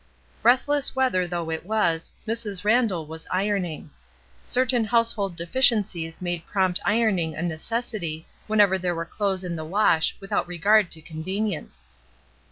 Breathless weather though it was, Mrs. Randall was ironing. Certain household de ficiencies made prompt ironing a necessity whenever there were clothes in the wash, with out regard to convenience.